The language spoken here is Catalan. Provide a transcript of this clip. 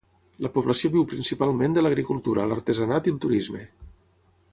La població viu principalment de l'agricultura, l'artesanat i el turisme.